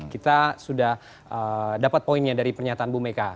kita sudah dapat poinnya dari pernyataan bu mega